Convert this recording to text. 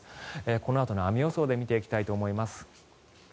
このあとの雨予想で見ていきたいと思います。